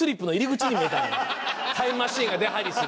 タイムマシンが出入りする。